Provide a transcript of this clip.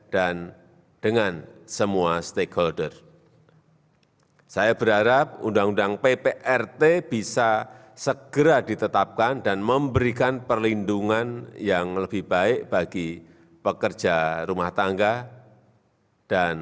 jokowi memerintahkan ruu pprt bisa segera ditetapkan dan memberikan perlindungan yang lebih baik bagi pekerja rumah tangga